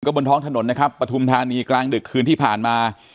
บนท้องถนนนะครับปฐุมธานีกลางดึกคืนที่ผ่านมา